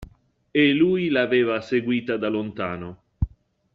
E lui l'aveva seguita da lontano.